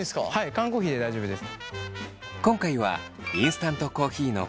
缶コーヒーで大丈夫です。